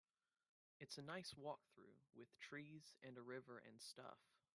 It's a nice walk though, with trees and a river and stuff.